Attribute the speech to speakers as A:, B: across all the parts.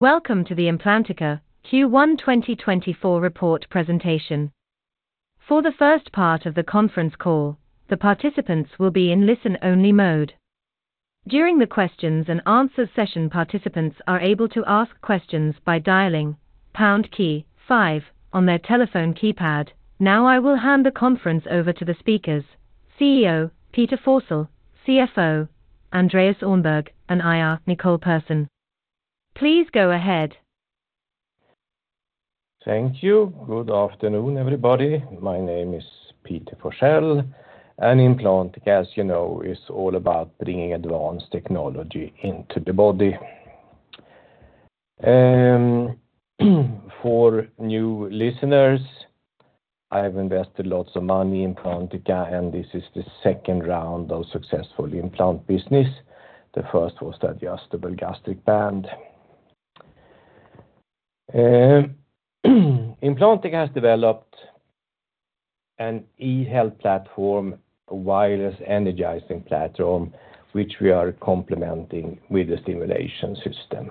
A: Welcome to the Implantica Q1 2024 Report Presentation. For the first part of the conference call, the participants will be in listen-only mode. During the questions and answer session, participants are able to ask questions by dialing pound key five on their telephone keypad. Now, I will hand the conference over to the speakers, CEO Peter Forsell, CFO Andreas Öhrnberg, and IR Nicole Pehrsson. Please go ahead.
B: Thank you. Good afternoon, everybody. My name is Peter Forsell, and Implantica, as you know, is all about bringing advanced technology into the body. For new listeners, I have invested lots of money in Implantica, and this is the second round of successful implant business. The first was the adjustable gastric band. Implantica has developed an eHealth platform, a wireless energizing platform, which we are complementing with a stimulation system.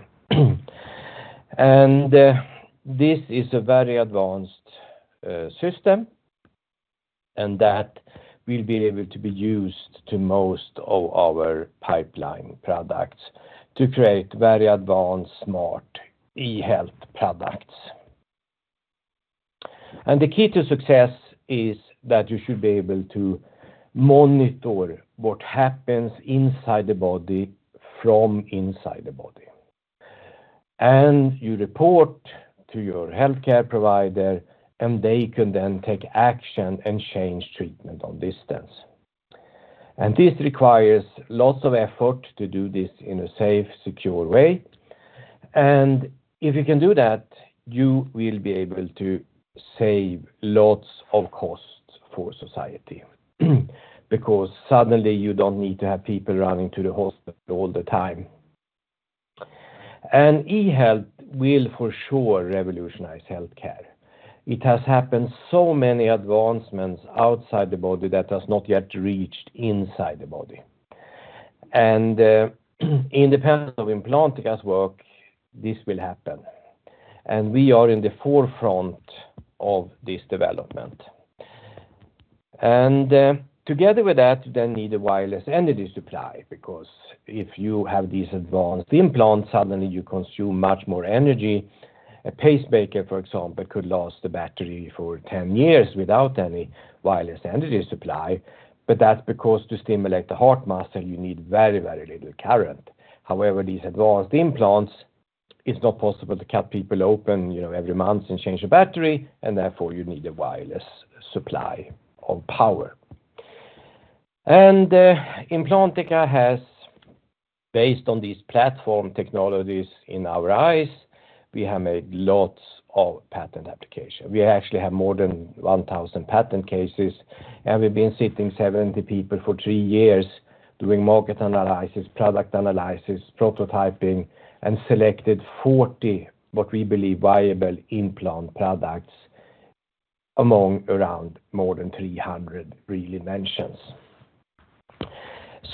B: And, this is a very advanced system, and that will be able to be used to most of our pipeline products to create very advanced, smart eHealth products. And the key to success is that you should be able to monitor what happens inside the body from inside the body. And you report to your healthcare provider, and they can then take action and change treatment on distance. And this requires lots of effort to do this in a safe, secure way. And if you can do that, you will be able to save lots of costs for society, because suddenly you don't need to have people running to the hospital all the time. And eHealth will, for sure, revolutionize healthcare. It has happened so many advancements outside the body that has not yet reached inside the body. And, independent of Implantica's work, this will happen, and we are in the forefront of this development. And, together with that, you then need a wireless energy supply, because if you have these advanced implants, suddenly you consume much more energy. A pacemaker, for example, could last a battery for 10 years without any wireless energy supply, but that's because to stimulate the heart muscle, you need very, very little current. However, these advanced implants, it's not possible to cut people open, you know, every month and change the battery, and therefore, you need a wireless supply of power. And Implantica has based on these platform technologies in our eyes, we have made lots of patent application. We actually have more than 1,000 patent cases, and we've been sitting 70 people for years doing market analysis, product analysis, prototyping, and selected 40, what we believe, viable implant products among around more than 300 real inventions.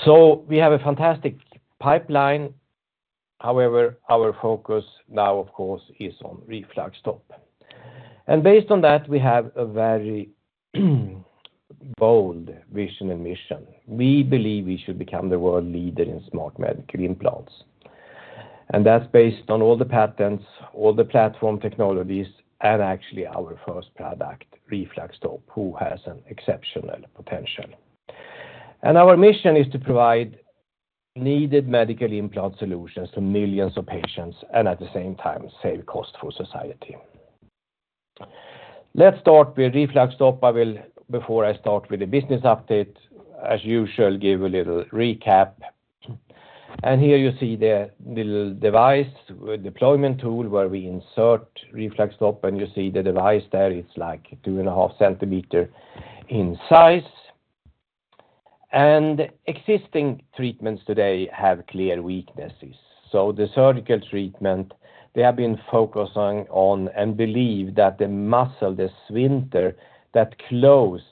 B: So we have a fantastic pipeline. However, our focus now, of course, is on RefluxStop. And based on that, we have a very, bold vision and mission. We believe we should become the world leader in smart medical implants. And that's based on all the patents, all the platform technologies, and actually our first product, RefluxStop, who has an exceptional potential. Our mission is to provide needed medical implant solutions to millions of patients and, at the same time, save cost for society. Let's start with RefluxStop. I will, before I start with the business update, as usual, give a little recap. Here you see the little device, with deployment tool, where we insert RefluxStop, and you see the device there. It's, like, 2.5 centimeter in size. Existing treatments today have clear weaknesses. So the surgical treatment, they have been focusing on and believe that the muscle, the sphincter that close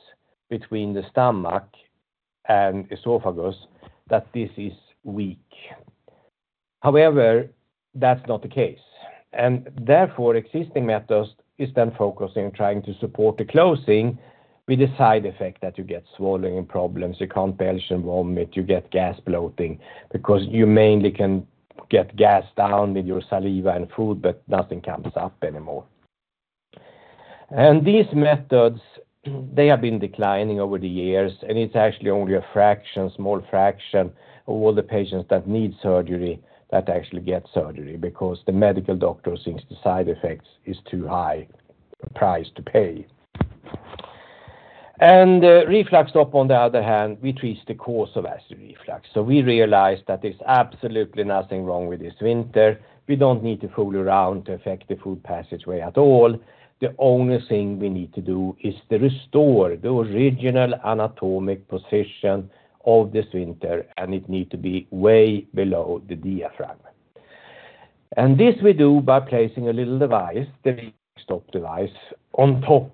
B: between the stomach and esophagus, that this is weak. However, that's not the case, and therefore, existing methods is then focusing on trying to support the closing with the side effect that you get swallowing problems, you can't pass vomit, you get gas bloating, because you mainly can get gas down in your saliva and food, but nothing comes up anymore. And these methods, they have been declining over the years, and it's actually only a fraction, small fraction of all the patients that need surgery that actually get surgery, because the medical doctor thinks the side effects is too high a price to pay. And, RefluxStop, on the other hand, we treat the cause of acid reflux. So we realize that there's absolutely nothing wrong with the sphincter. We don't need to fool around to affect the food passageway at all. The only thing we need to do is to restore the original anatomic position of the sphincter, and it need to be way below the diaphragm. This we do by placing a little device, the RefluxStop device, on top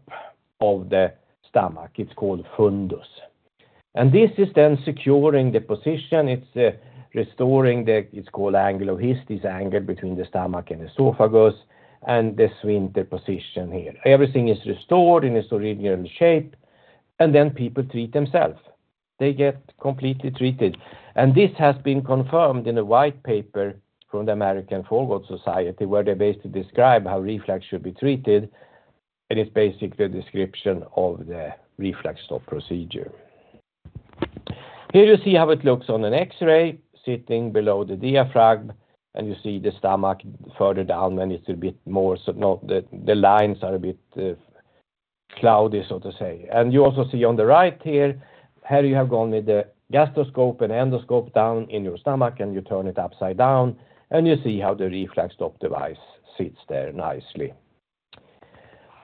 B: of the stomach. It's called fundus. And this is then securing the position. It's restoring the, it's called Angle of His angle between the stomach and esophagus, and the sphincter position here. Everything is restored in its original shape, and then people treat themselves. They get completely treated, and this has been confirmed in a white paper from the American Foregut Society, where they basically describe how reflux should be treated, and it's basically a description of the RefluxStop procedure. Here you see how it looks on an X-ray, sitting below the diaphragm, and you see the stomach further down, and the lines are a bit cloudy, so to say. And you also see on the right here, how you have gone with the gastroscope and endoscope down in your stomach, and you turn it upside down, and you see how the RefluxStop device sits there nicely.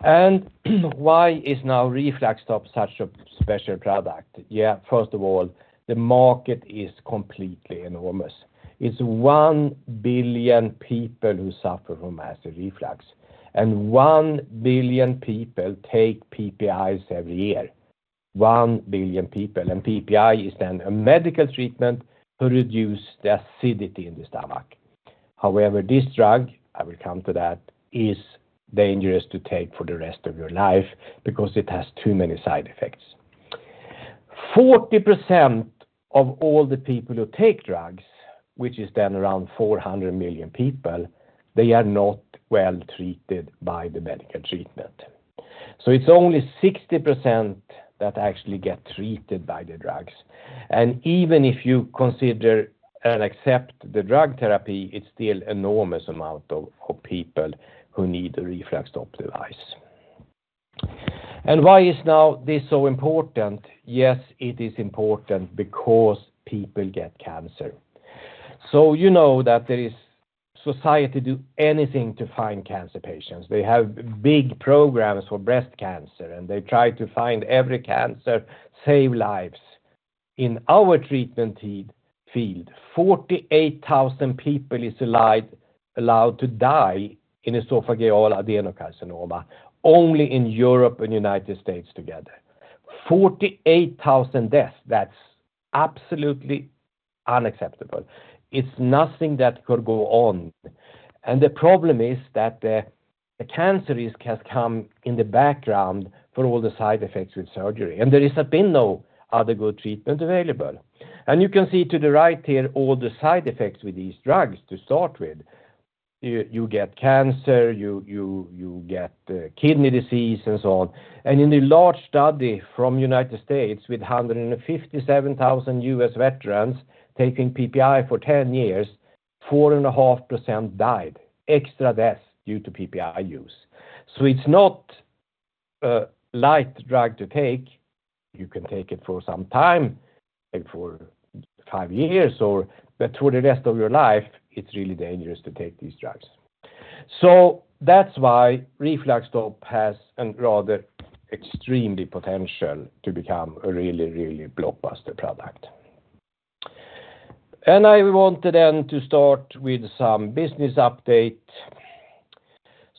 B: And why is now RefluxStop such a special product? Yeah, first of all, the market is completely enormous. It's 1 billion people who suffer from acid reflux, and 1 billion people take PPIs every year. 1 billion people, and PPI is then a medical treatment to reduce the acidity in the stomach. However, this drug, I will come to that, is dangerous to take for the rest of your life because it has too many side effects. 40% of all the people who take drugs, which is then around 400 million people, they are not well treated by the medical treatment. So it's only 60% that actually get treated by the drugs. And even if you consider and accept the drug therapy, it's still enormous amount of people who need the RefluxStop device. And why is now this so important? Yes, it is important because people get cancer. So you know that there is society do anything to find cancer patients. They have big programs for breast cancer, and they try to find every cancer, save lives. In our treatment field, 48,000 people is allowed, allowed to die in esophageal adenocarcinoma, only in Europe and United States together. 48,000 deaths, that's absolutely unacceptable. It's nothing that could go on. And the problem is that the cancer risk has come in the background for all the side effects with surgery, and there has been no other good treatment available. And you can see to the right here, all the side effects with these drugs to start with. You, you get cancer, you, you, you get, kidney disease and so on. And in a large study from United States, with 157,000 U.S. veterans taking PPI for 10 years, 4.5% died, extra deaths due to PPI use. So it's not a light drug to take. You can take it for some time, like for five years or... But for the rest of your life, it's really dangerous to take these drugs. So that's why RefluxStop has a rather extremely potential to become a really, really blockbuster product. I wanted then to start with some business update.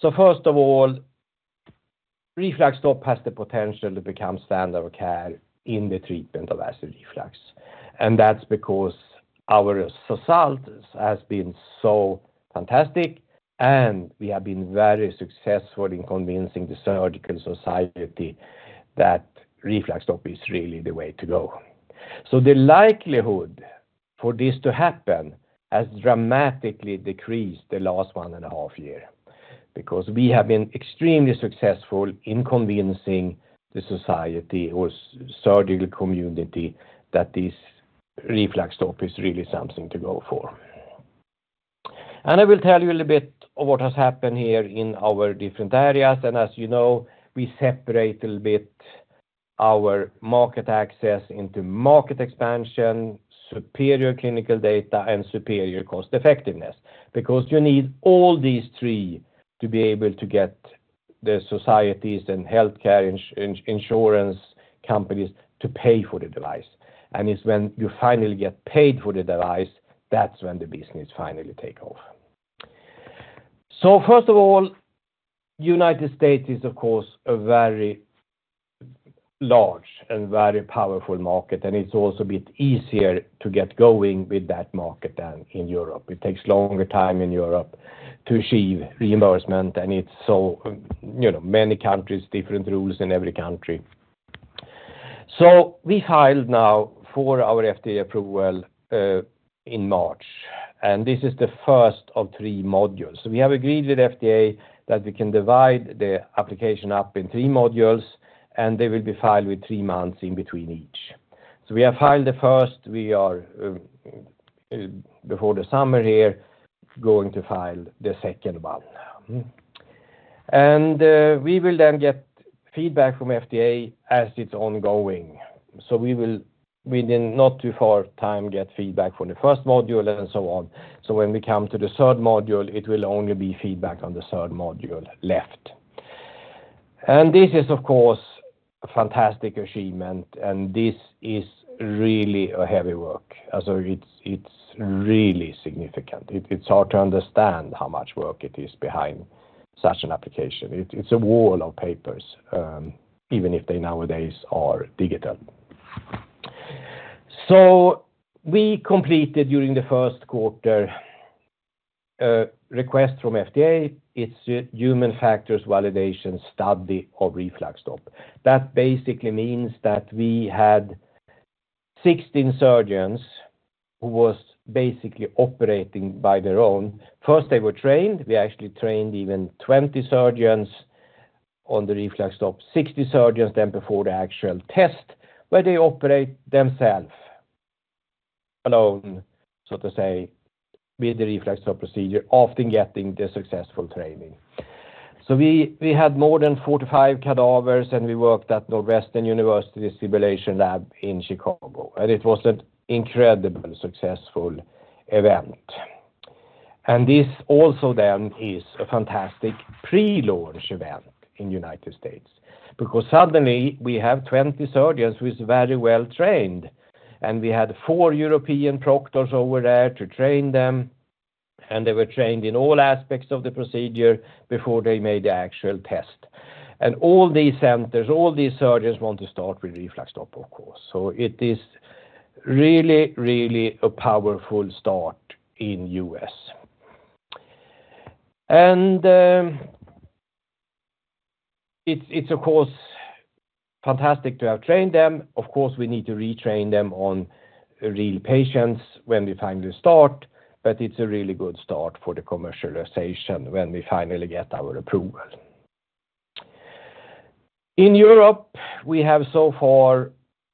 B: So first of all, RefluxStop has the potential to become standard of care in the treatment of acid reflux. And that's because our results has been so fantastic, and we have been very successful in convincing the surgical society that RefluxStop is really the way to go. So the likelihood for this to happen has dramatically decreased the last one and a half year, because we have been extremely successful in convincing the society or surgical community that this RefluxStop is really something to go for. And I will tell you a little bit of what has happened here in our different areas. As you know, we separate a little bit our market access into market expansion, superior clinical data, and superior cost effectiveness, because you need all these three to be able to get the societies and healthcare insurance companies to pay for the device. And it's when you finally get paid for the device, that's when the business finally take off. So first of all, United States is, of course, a very large and very powerful market, and it's also a bit easier to get going with that market than in Europe. It takes longer time in Europe to achieve reimbursement, and it's so, you know, many countries, different rules in every country. So we filed now for our FDA approval in March, and this is the first of three modules. So we have agreed with FDA that we can divide the application up in three modules, and they will be filed with three months in between each. So we have filed the first. We are before the summer here, going to file the second one. And we will then get feedback from FDA as it's ongoing. So we will within not too far time, get feedback from the first module and so on. So when we come to the third module, it will only be feedback on the third module left. And this is, of course, a fantastic achievement, and this is really a heavy work. So it's, it's really significant. It, it's hard to understand how much work it is behind such an application. It, it's a wall of papers, even if they nowadays are digital. So we completed during the first quarter, a request from FDA, its Human Factors Validation study of RefluxStop. That basically means that we had 16 surgeons who was basically operating by their own. First, they were trained. We actually trained even 20 surgeons on the RefluxStop, 60 surgeons then before the actual test, where they operate themself alone, so to say, with the RefluxStop procedure, often getting the successful training. So we, we had more than 45 cadavers, and we worked at Northwestern University Simulation Lab in Chicago, and it was an incredibly successful event. And this also then is a fantastic pre-launch event in United States, because suddenly we have 20 surgeons who is very well trained, and we had four European proctors over there to train them, and they were trained in all aspects of the procedure before they made the actual test. And all these centers, all these surgeons want to start with RefluxStop, of course. So it is really, really a powerful start in U.S. And it's of course fantastic to have trained them. Of course, we need to retrain them on real patients when we finally start, but it's a really good start for the commercialization when we finally get our approval. In Europe, we have so far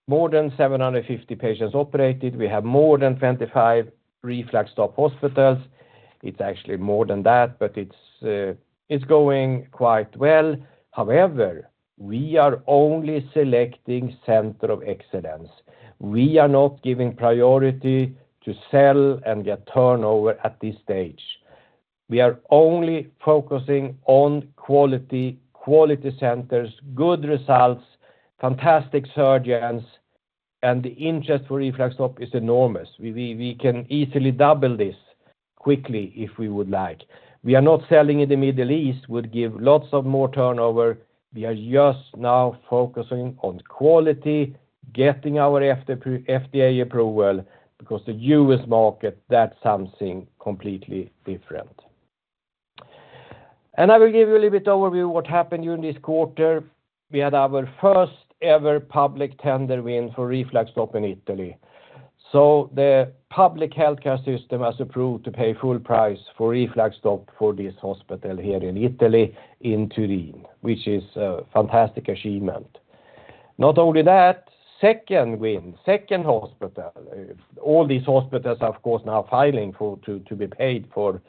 B: more than 750 patients operated. We have more than 25 RefluxStop hospitals. It's actually more than that, but it's going quite well. However, we are only selecting center of excellence. We are not giving priority to sell and get turnover at this stage. We are only focusing on quality, quality centers, good results, fantastic surgeons, and the interest for RefluxStop is enormous. We can easily double this quickly if we would like. We are not selling in the Middle East, would give lots of more turnover. We are just now focusing on quality, getting our FDA approval, because the U.S. market, that's something completely different. And I will give you a little bit overview of what happened during this quarter. We had our first ever public tender win for RefluxStop in Italy. So the public healthcare system has approved to pay full price for RefluxStop for this hospital here in Italy, in Turin, which is a fantastic achievement. Not only that, second win, second hospital. All these hospitals, of course, now filing for, to, to be paid for,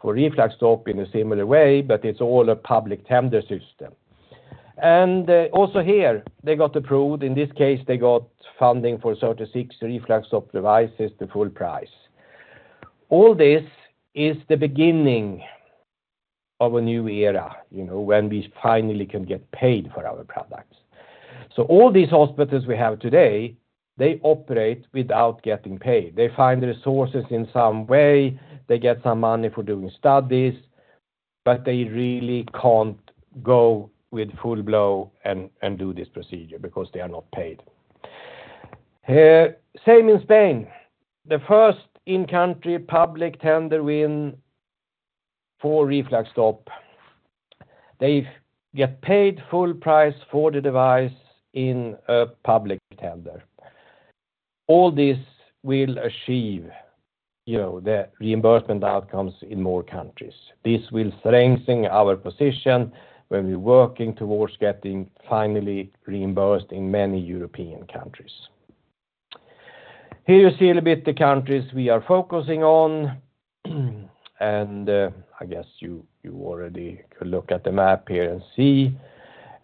B: for RefluxStop in a similar way, but it's all a public tender system. And, also here, they got approved. In this case, they got funding for 36 RefluxStop devices, the full price. All this is the beginning of a new era, you know, when we finally can get paid for our products. So all these hospitals we have today, they operate without getting paid. They find resources in some way, they get some money for doing studies, but they really can't go with full blow and do this procedure because they are not paid. Same in Spain. The first in-country public tender win for RefluxStop. They get paid full price for the device in a public tender. All this will achieve, you know, the reimbursement outcomes in more countries. This will strengthen our position when we're working towards getting finally reimbursed in many European countries. Here you see a little bit the countries we are focusing on, and I guess you already could look at the map here and see.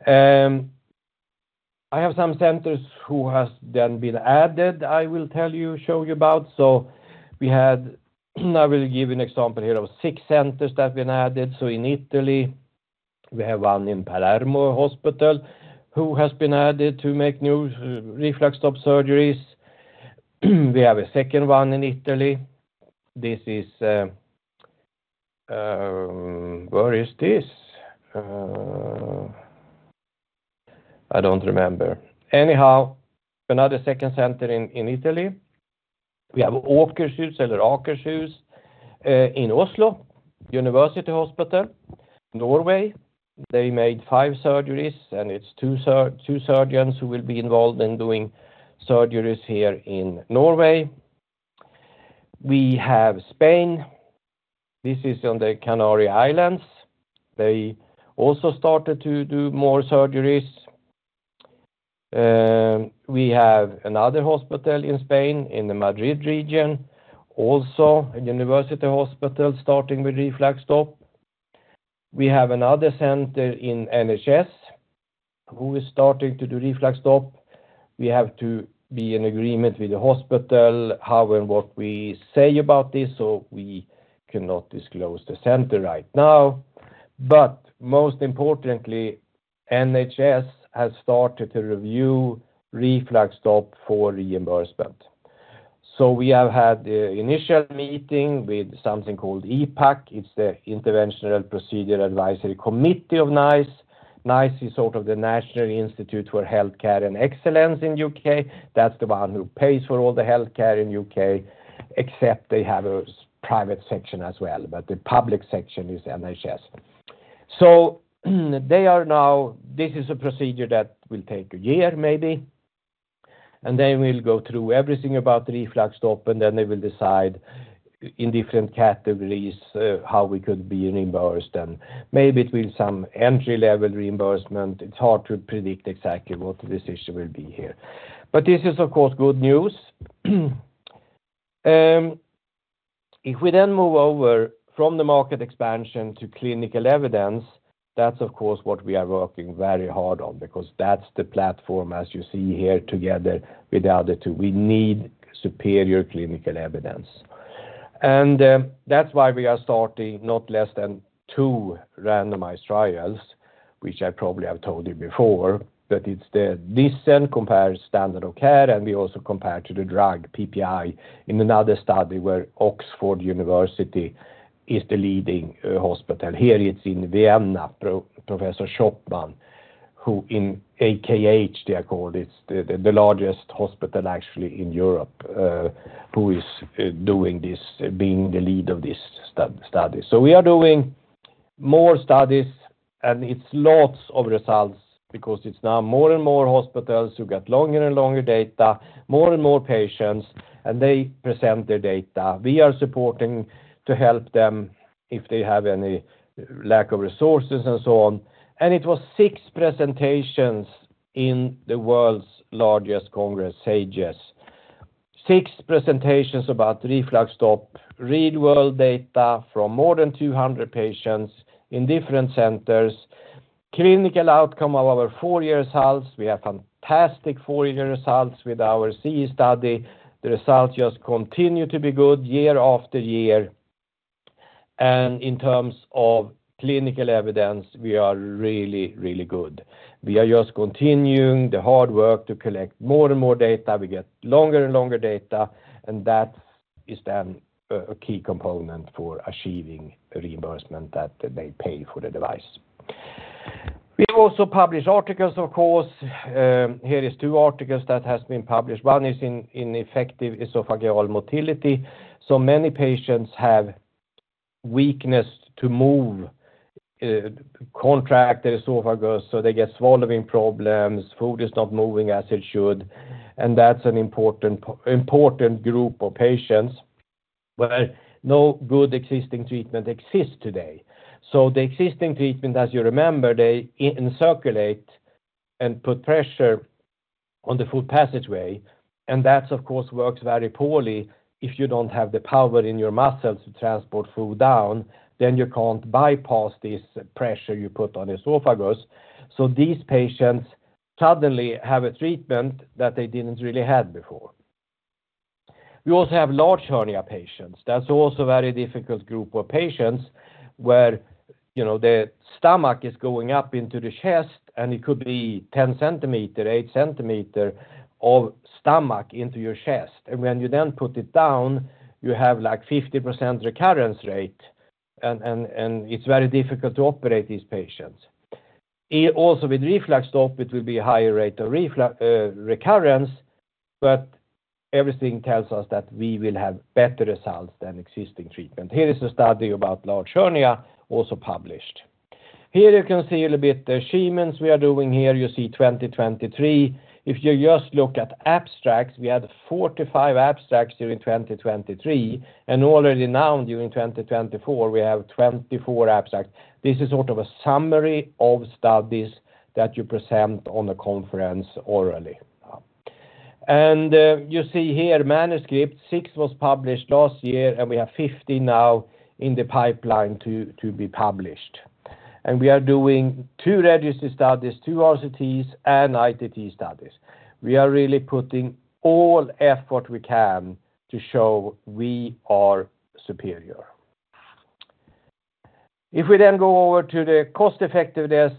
B: I have some centers who has then been added, I will tell you, show you about. So we had, I will give you an example here of six centers that have been added. So in Italy, we have one in Palermo Hospital, who has been added to make new RefluxStop surgeries. We have a second one in Italy. This is, where is this? I don't remember. Anyhow, another second center in Italy. We have Akershus University Hospital in Oslo, Norway. They made five surgeries, and it's two surgeons who will be involved in doing surgeries here in Norway. We have Spain. This is on the Canary Islands. They also started to do more surgeries. We have another hospital in Spain, in the Madrid region, also a university hospital, starting with RefluxStop. We have another center in NHS, who is starting to do RefluxStop. We have to be in agreement with the hospital, how and what we say about this, so we cannot disclose the center right now. But most importantly, NHS has started to review RefluxStop for reimbursement. So we have had the initial meeting with something called IPAC. It's the Interventional Procedures Advisory Committee of NICE. NICE is sort of the National Institute for Health and Care Excellence in U.K. That's the one who pays for all the healthcare in U.K., except they have a private section as well, but the public section is NHS. So they are now. This is a procedure that will take a year, maybe, and they will go through everything about RefluxStop, and then they will decide in different categories, how we could be reimbursed. And maybe it will some entry-level reimbursement. It's hard to predict exactly what the decision will be here, but this is, of course, good news. If we then move over from the market expansion to clinical evidence, that's, of course, what we are working very hard on because that's the platform, as you see here, together with the other two. We need superior clinical evidence. That's why we are starting not less than two randomized trials, which I probably have told you before, but it's the... This then compares standard of care, and we also compare to the drug PPI in another study where Oxford University is the leading hospital. Here, it's in Vienna, Professor Schoppmann, who in AKH they are called, it's the largest hospital actually in Europe, who is doing this, being the lead of this study. So we are doing more studies, and it's lots of results because it's now more and more hospitals who get longer and longer data, more and more patients, and they present their data. We are supporting to help them if they have any lack of resources and so on. It was 6 presentations in the world's largest congress, SAGES. Six presentations about RefluxStop, real world data from more than 200 patients in different centers. Clinical outcome of our four-year results, we have fantastic four-year results with our CE study. The results just continue to be good year after year. In terms of clinical evidence, we are really, really good. We are just continuing the hard work to collect more and more data. We get longer and longer data, and that is then a key component for achieving a reimbursement that they pay for the device. We also publish articles, of course. Here is two articles that has been published. One is ineffective esophageal motility. So many patients have weakness to move, contract their esophagus, so they get swallowing problems, food is not moving as it should, and that's an important group of patients, where no good existing treatment exists today. So the existing treatment, as you remember, they encirculate and put pressure on the food passageway, and that, of course, works very poorly if you don't have the power in your muscles to transport food down, then you can't bypass this pressure you put on esophagus. So these patients suddenly have a treatment that they didn't really have before. We also have large hernia patients. That's also a very difficult group of patients where, you know, the stomach is going up into the chest, and it could be 10 centimeters, 8 centimeters of stomach into your chest. And when you then put it down, you have, like, 50% recurrence rate, and it's very difficult to operate these patients. Also with RefluxStop, it will be a higher rate of reflux recurrence, but everything tells us that we will have better results than existing treatment. Here is a study about large hernia, also published. Here you can see a little bit the achievements we are doing here. You see 2023. If you just look at abstracts, we had 45 abstracts during 2023, and already now, during 2024, we have 24 abstracts. This is sort of a summary of studies that you present on a conference orally. You see here, manuscripts, six was published last year, and we have 15 now in the pipeline to, to be published. We are doing two registry studies, two RCTs, and ITT studies. We are really putting all effort we can to show we are superior. If we then go over to the cost-effectiveness,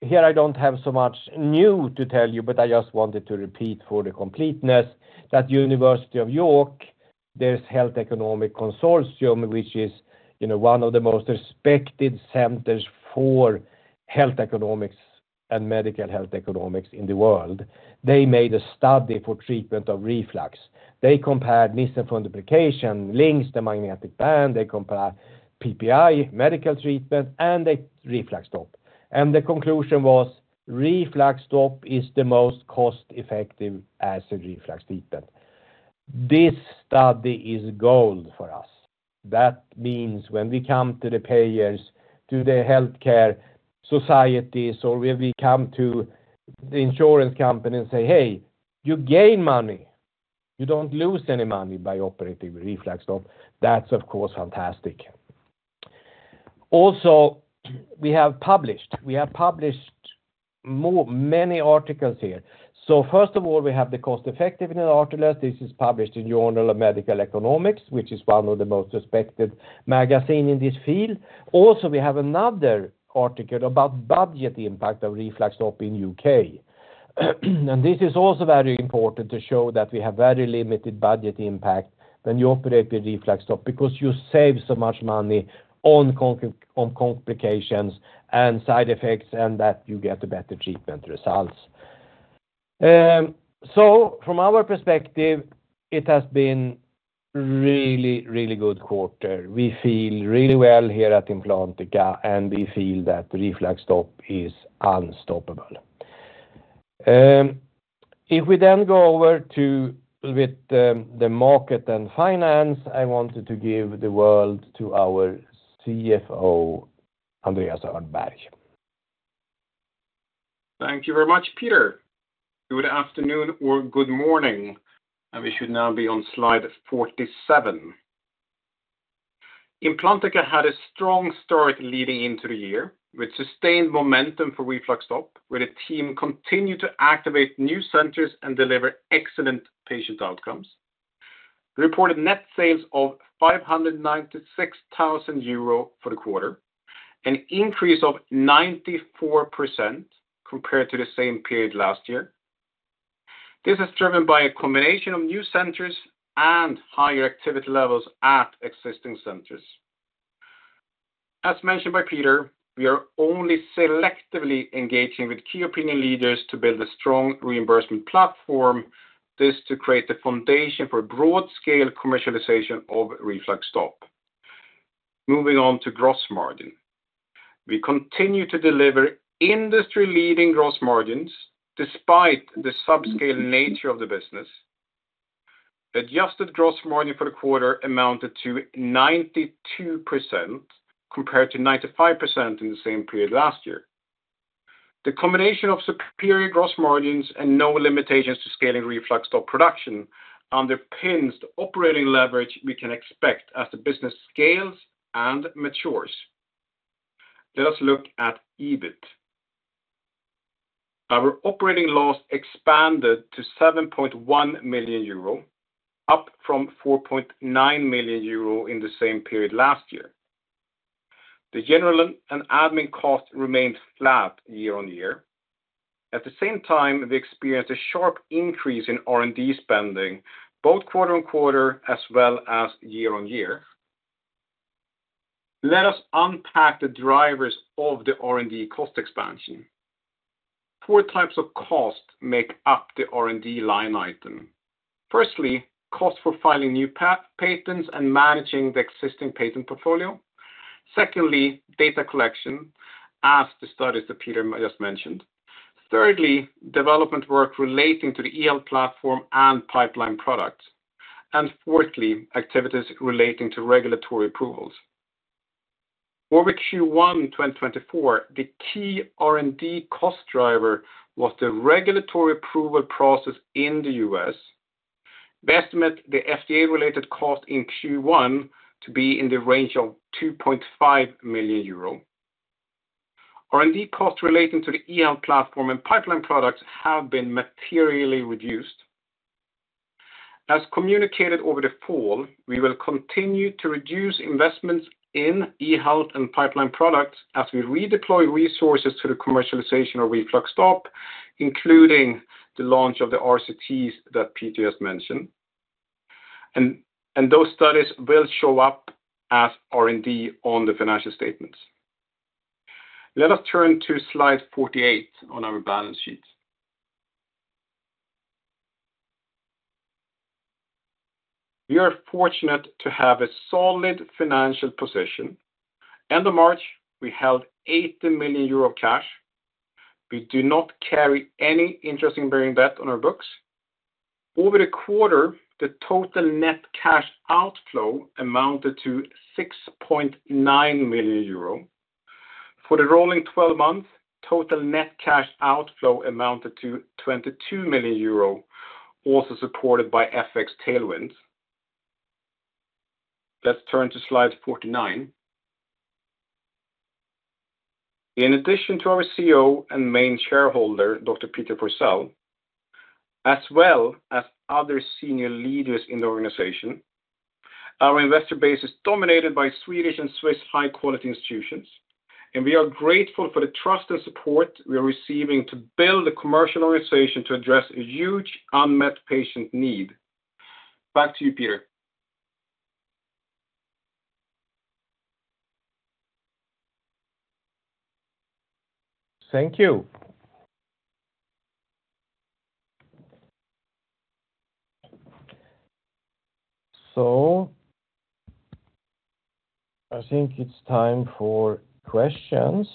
B: here, I don't have so much new to tell you, but I just wanted to repeat for the completeness that University of York's Health Economics Consortium, which is, you know, one of the most respected centers for health economics and medical health economics in the world. They made a study for treatment of reflux. They compared Nissen fundoplication, LINX, the magnetic band, they compare PPI, medical treatment, and the RefluxStop. And the conclusion was RefluxStop is the most cost-effective as a reflux treatment. This study is gold for us. That means when we come to the payers, to the healthcare societies, or when we come to the insurance company and say, "Hey, you gain money. You don't lose any money by operating RefluxStop," that's, of course, fantastic. Also, we have published many articles here. So first of all, we have the cost effectiveness article. This is published in Journal of Medical Economics, which is one of the most respected magazine in this field. Also, we have another article about budget impact of RefluxStop in U.K. and this is also very important to show that we have very limited budget impact when you operate the RefluxStop, because you save so much money on complications and side effects, and that you get a better treatment results. So from our perspective, it has been really, really good quarter. We feel really well here at Implantica, and we feel that RefluxStop is unstoppable. If we then go over to the market and finance, I wanted to give the word to our CFO, Andreas Öhrnberg.
C: Thank you very much, Peter. Good afternoon or good morning, and we should now be on slide 47. Implantica had a strong start leading into the year, with sustained momentum for RefluxStop, where the team continued to activate new centers and deliver excellent patient outcomes. Reported net sales of 596,000 euro for the quarter, an increase of 94% compared to the same period last year. This is driven by a combination of new centers and higher activity levels at existing centers. As mentioned by Peter, we are only selectively engaging with key opinion leaders to build a strong reimbursement platform. This to create the foundation for broad scale commercialization of RefluxStop. Moving on to gross margin. We continue to deliver industry-leading gross margins despite the subscale nature of the business. Adjusted gross margin for the quarter amounted to 92%, compared to 95% in the same period last year. The combination of superior gross margins and no limitations to scaling RefluxStop production underpins the operating leverage we can expect as the business scales and matures. Let us look at EBIT. Our operating loss expanded to 7.1 million euro, up from 4.9 million euro in the same period last year. The general and admin cost remained flat year-on-year. At the same time, we experienced a sharp increase in R&D spending, both quarter-on-quarter as well as year-on-year. Let us unpack the drivers of the R&D cost expansion. Four types of costs make up the R&D line item. Firstly, cost for filing new patents and managing the existing patent portfolio. Secondly, data collection, as the studies that Peter just mentioned. Thirdly, development work relating to the eHealth platform and pipeline products. And fourthly, activities relating to regulatory approvals. Over Q1 2024, the key R&D cost driver was the regulatory approval process in the U.S. We estimate the FDA-related cost in Q1 to be in the range of 2.5 million euro. R&D costs relating to the eHealth platform and pipeline products have been materially reduced. As communicated over the fall, we will continue to reduce investments in eHealth and pipeline products as we redeploy resources to the commercialization of RefluxStop, including the launch of the RCTs that Peter just mentioned. And those studies will show up as R&D on the financial statements. Let us turn to slide 48 on our balance sheet. We are fortunate to have a solid financial position. End of March, we held 80 million euro cash. We do not carry any interest-bearing debt on our books. Over the quarter, the total net cash outflow amounted to 6.9 million euro. For the rolling 12 months, total net cash outflow amounted to 22 million euro, also supported by FX tailwind. Let's turn to slide 49. In addition to our CEO and main shareholder, Dr. Peter Forsell, as well as other senior leaders in the organization, our investor base is dominated by Swedish and Swiss high-quality institutions, and we are grateful for the trust and support we are receiving to build a commercial organization to address a huge unmet patient need. Back to you, Peter.
B: Thank you. I think it's time for questions.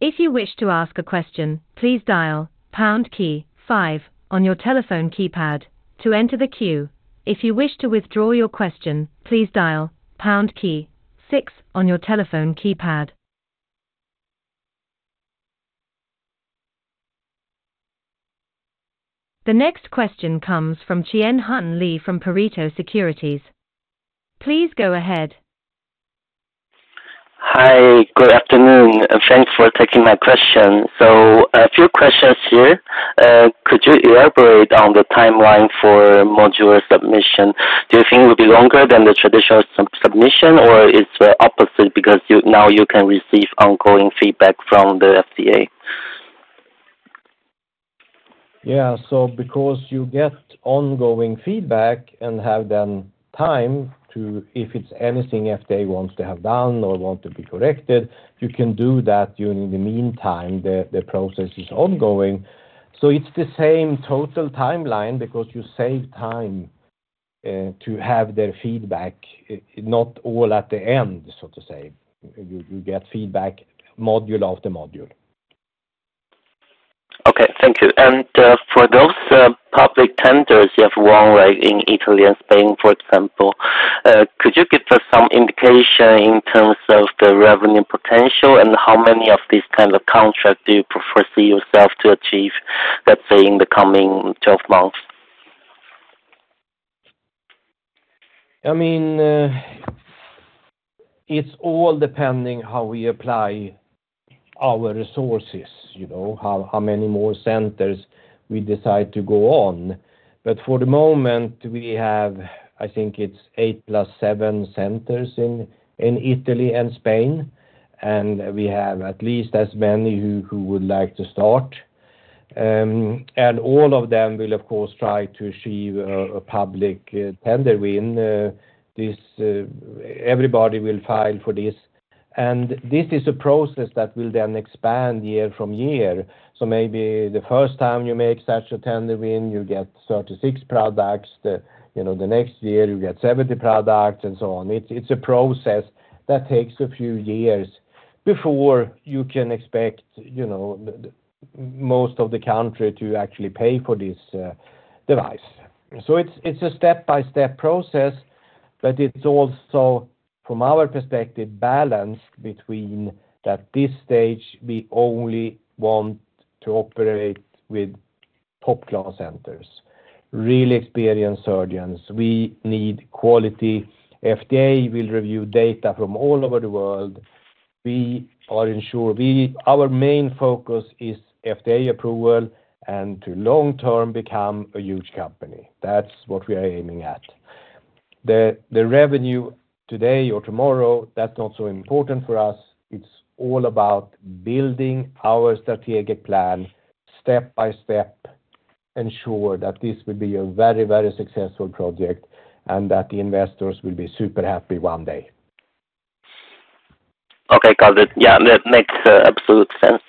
A: If you wish to ask a question, please dial pound key five on your telephone keypad to enter the queue. If you wish to withdraw your question, please dial pound key six on your telephone keypad. The next question comes from Chien-Hsun Lee from Pareto Securities. Please go ahead.
D: Hi, good afternoon, and thanks for taking my question. So a few questions here. Could you elaborate on the timeline for modular submission? Do you think it will be longer than the traditional submission, or it's the opposite because you, now you can receive ongoing feedback from the FDA?
B: Yeah, so because you get ongoing feedback and have the time to, if it's anything FDA wants to have done or want to be corrected, you can do that during the meantime, the process is ongoing. So it's the same total timeline because you save time to have their feedback not all at the end, so to say. You get feedback module after module.
D: Okay, thank you. And, for those public tenders you have won, like, in Italy and Spain, for example, could you give us some indication in terms of the revenue potential and how many of these kinds of contracts do you foresee yourself to achieve, let's say, in the coming 12 months?
B: I mean, it's all depending how we apply our resources, you know, how many more centers we decide to go on. But for the moment, we have I think it's eight plus seven centers in Italy and Spain, and we have at least as many who would like to start. And all of them will, of course, try to achieve a public tender win, everybody will file for this. And this is a process that will then expand year from year. So maybe the first time you make such a tender win, you get 36 products. The, you know, the next year, you get 70 products, and so on. It's a process that takes a few years before you can expect, you know, the most of the country to actually pay for this device. So it's a step-by-step process, but it's also, from our perspective, balanced between that this stage, we only want to operate with top-class centers, really experienced surgeons. We need quality. FDA will review data from all over the world. We are ensuring our main focus is FDA approval and to long-term become a huge company. That's what we are aiming at. The revenue today or tomorrow, that's not so important for us. It's all about building our strategic plan step by step, ensure that this will be a very, very successful project and that the investors will be super happy one day.
D: Okay, got it. Yeah, that makes absolute sense.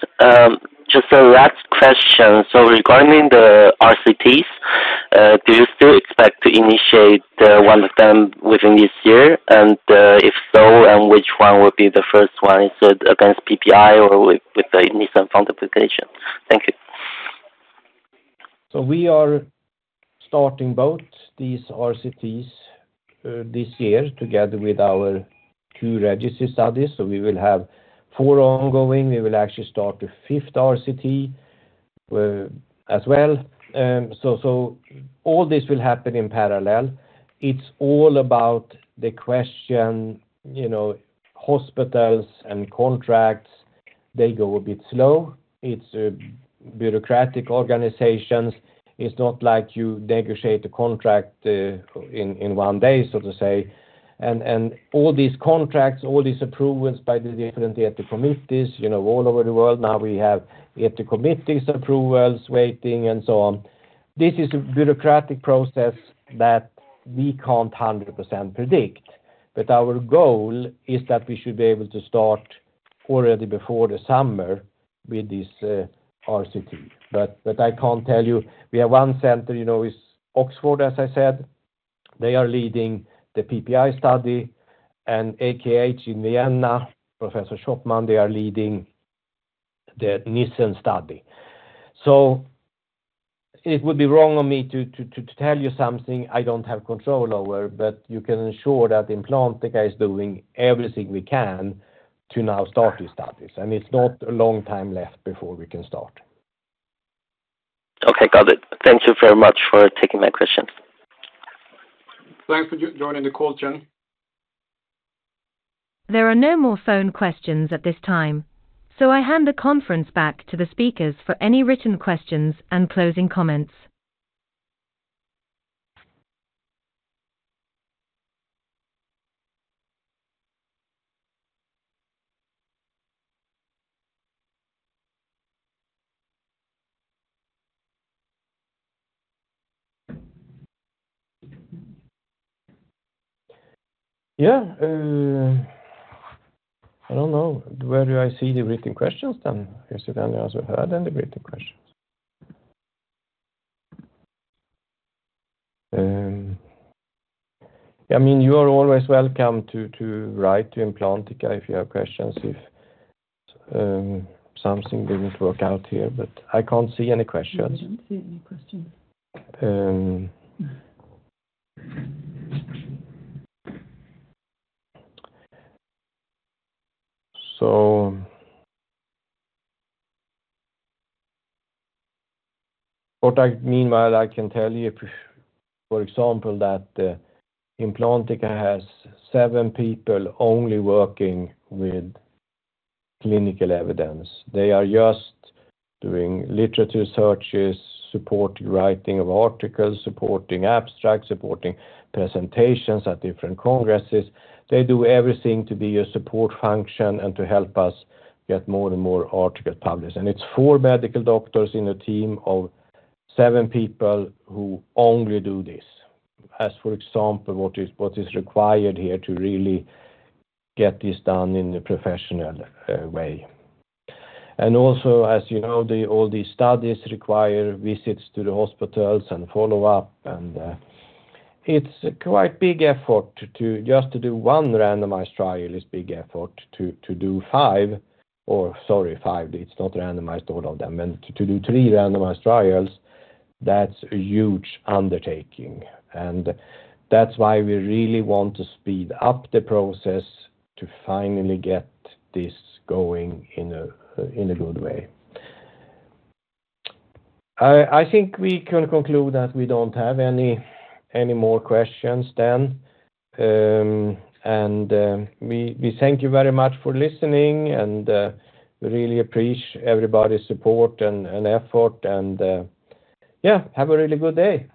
D: Just a last question. So regarding the RCTs, do you still expect to initiate one of them within this year? And, if so, which one would be the first one? Is it against PPI or with the Nissen fundoplication? Thank you.
B: So we are starting both these RCTs this year together with our two registry studies, so we will have four ongoing. We will actually start a fifth RCT as well. So all this will happen in parallel. It's all about the question, you know, hospitals and contracts, they go a bit slow. It's bureaucratic organizations. It's not like you negotiate a contract in one day, so to say. And all these contracts, all these approvals by the different ethical committees, you know, all over the world now, we have ethical committees, approvals, waiting, and so on. This is a bureaucratic process that we can't 100% predict, but our goal is that we should be able to start already before the summer with this RCT. But I can't tell you. We have one center, you know, is Oxford, as I said, they are leading the PPI study and AKH in Vienna, Professor Schoppmann, they are leading the Nissen study. So it would be wrong on me to tell you something I don't have control over, but you can ensure that Implantica is doing everything we can to now start the studies, and it's not a long time left before we can start.
D: Okay, got it. Thank you very much for taking my question.
C: Thanks for joining the call, Chien.
A: There are no more phone questions at this time, so I hand the conference back to the speakers for any written questions and closing comments.
B: Yeah, I don't know. Where do I see the written questions then? Yes, then I also heard any written questions. I mean, you are always welcome to write to Implantica if you have questions, if something didn't work out here, but I can't see any questions.
A: I don't see any questions.
B: But I, meanwhile, I can tell you, for example, that Implantica has seven people only working with clinical evidence. They are just doing literature searches, supporting writing of articles, supporting abstracts, supporting presentations at different congresses. They do everything to be a support function and to help us get more and more articles published. And it's four medical doctors in a team of seven people who only do this. As, for example, what is required here to really get this done in a professional way. And also, as you know, the all these studies require visits to the hospitals and follow up, and it's a quite big effort to just do one randomized trial is big effort to do five or, sorry, five it's not randomized, all of them. And to do three randomized trials, that's a huge undertaking. And that's why we really want to speed up the process to finally get this going in a good way. I think we can conclude that we don't have any more questions then. And we thank you very much for listening, and we really appreciate everybody's support and effort and, yeah, have a really good day!